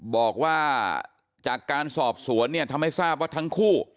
บอกว่าจากการสอบสวนเนี่ยทำให้ทราบว่าทั้งคู่